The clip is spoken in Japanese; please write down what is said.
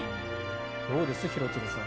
どうです、廣津留さん。